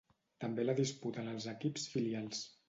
També la disputen els equips filials.